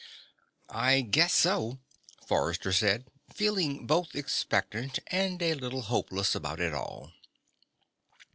"I guess so," Forrester said, feeling both expectant and a little hopeless about it all.